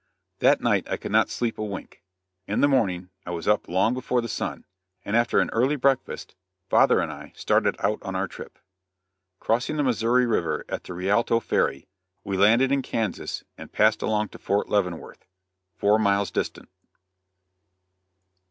That night I could not sleep a wink. In the morning I was up long before the sun, and after an early breakfast, father and I started out on our trip. Crossing the Missouri river at the Rialto Ferry, we landed in Kansas and passed along to Fort Leavenworth, four miles distant.